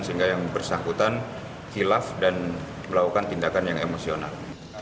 sehingga yang bersangkutan hilaf dan melakukan tindakan yang emosional